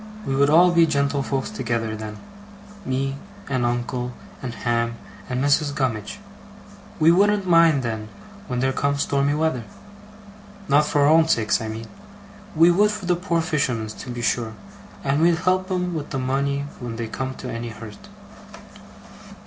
We would all be gentlefolks together, then. Me, and uncle, and Ham, and Mrs. Gummidge. We wouldn't mind then, when there comes stormy weather. Not for our own sakes, I mean. We would for the poor fishermen's, to be sure, and we'd help 'em with money when they come to any hurt.